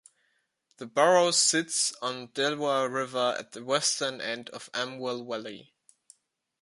The borough sits on the Delaware River at the western end of Amwell Valley.